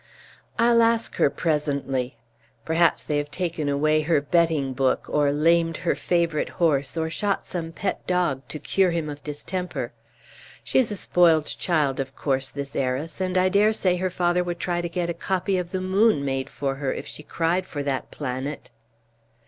I'll ask her presently. Perhaps they have taken away her betting book, or lamed her favorite horse, or shot some pet dog, to cure him of distemper. She is a spoiled child, of course, this heiress, and I dare say her father would try to get a copy of the moon made for her if she cried for that planet."